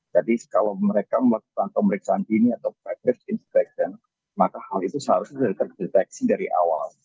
jadi kalau mereka melakukan pemeriksaan dingin atau private inspection maka hal itu seharusnya terdeteksi dari awal